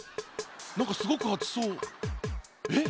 なんかすごくあつそうえっ？